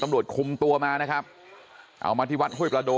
ตำรวจคุมตัวมานะครับเอามาที่วัดห้วยประโด